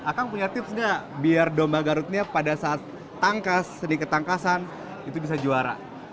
akang punya tips gak biar domba garutnya pada saat tangkas sedikit tangkasan itu bisa juara